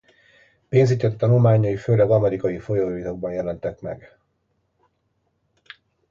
Pénzügyi tanulmányai főleg amerikai folyóiratokban jelentek meg.